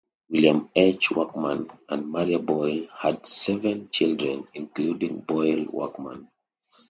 William H. Workman and Maria Boyle had seven children, including Boyle Workman.